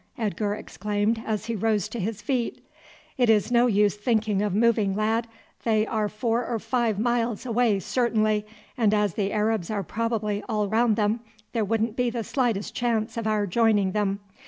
Edgar exclaimed as he rose to his feet. "It is no use thinking of moving, lad; they are four or five miles away certainly, and as the Arabs are probably all round them, there wouldn't be the slightest chance of our joining them.